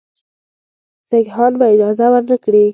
سیکهان به اجازه ورنه کړي.